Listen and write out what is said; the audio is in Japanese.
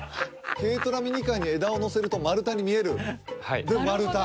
軽トラミニカーに枝をのせると丸太に見えるで丸太？